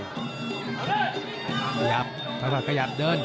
ขยับเข้ามาขยับเดิน